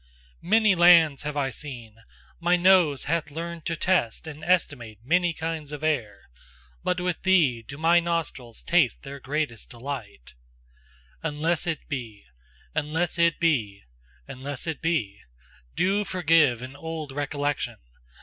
Many lands have I seen, my nose hath learned to test and estimate many kinds of air: but with thee do my nostrils taste their greatest delight! Unless it be, unless it be , do forgive an old recollection!